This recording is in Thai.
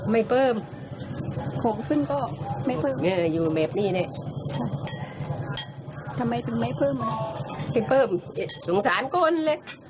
ไม่เพิ่มสงสารคนเลย